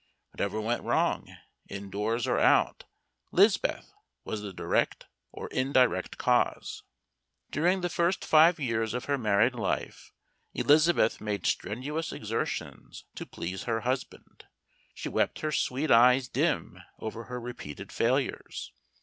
Whatever went wrong, in doors or out, "'Liz'beth" was the direct or indirect cause. During the first five years of her married life, Elizabeth made strenuous exertions to please her husband. She wept her sweet eyes dim over her repeated failures.